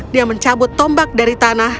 dia mencabut tombak dari tanah